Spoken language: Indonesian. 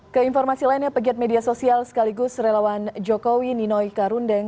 keinformasi lainnya pegiat media sosial sekaligus relawan jokowi ninoi karundeng